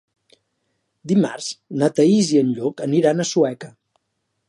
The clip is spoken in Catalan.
Dimarts na Thaís i en Lluc aniran a Sueca.